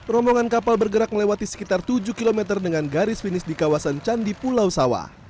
rombongan kapal bergerak melewati sekitar tujuh km dengan garis finish di kawasan candi pulau sawah